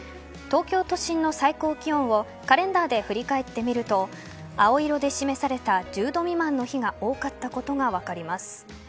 東京都心の最高気温をカレンダーで振り返ってみると青色で示された１０度未満の日が多かったことが分かります。